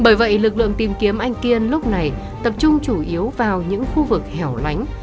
bởi vậy lực lượng tìm kiếm anh kiên lúc này tập trung chủ yếu vào những khu vực hẻo lánh